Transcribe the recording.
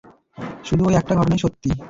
শুধু ওই একটাই ঘটনা, সত্যিই।